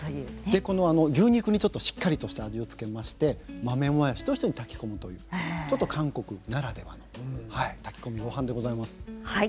牛肉にしっかりとした味を付けまして豆もやしと一緒に炊き込むという韓国ならではの炊き込みごはんでございます。